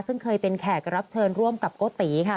ซึ่งเคยเป็นแขกรับเชิญร่วมกับโกติค่ะ